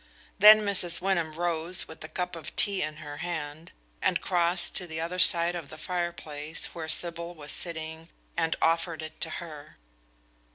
Then Mrs. Wyndham rose with a cup of tea in her hand, and crossed to the other side of the fireplace where Sybil was sitting and offered it to her.